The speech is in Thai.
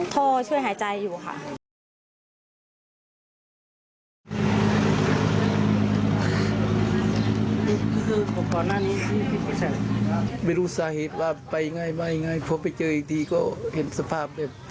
ช่วยหายใจอยู่ค่ะ